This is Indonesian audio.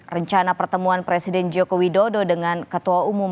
rencana pertemuan presiden joko widodo dengan ketua umum